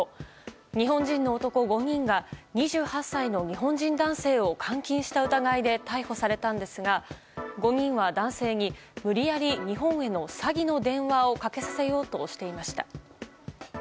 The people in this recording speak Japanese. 日本人の男５人が２８歳の日本人男性を監禁した疑いで逮捕されたんですが５人は男性に無理やり日本への詐欺の電話をかけさせようとしていました。